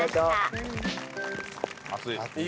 熱い。